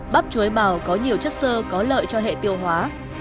bắp chuối bào có nhiều chất sơ có lợi cho hệ tiêu hóa